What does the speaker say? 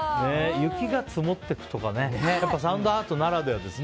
雪が積もっていくとかねサンドアートならではですね。